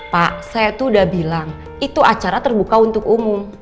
pak saya tuh udah bilang itu acara terbuka untuk umum